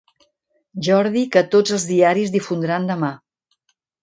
Jordi que tots els diaris difondran demà.